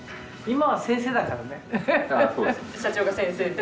社長が先生で？